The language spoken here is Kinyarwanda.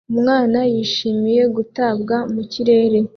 Umwana yishimira gutabwa mu kirere